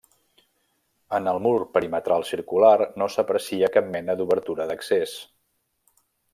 En el mur perimetral circular no s'aprecia cap mena d'obertura d'accés.